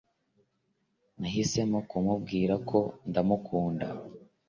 Nahisemo kumubwira ko ndamukunda